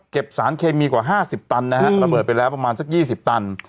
สารเคมีกว่า๕๐ตันนะฮะระเบิดไปแล้วประมาณสัก๒๐ตัน